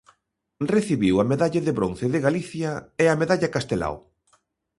Recibiu a Medalla de Bronce de Galicia e a Medalla Castelao.